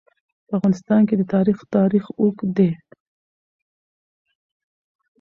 په افغانستان کې د تاریخ تاریخ اوږد دی.